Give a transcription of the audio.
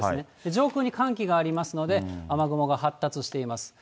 上空に寒気がありますので、雨雲が発達しています。